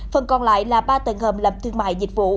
phần còn lại là ba tầng hầm làm thương mại dịch vụ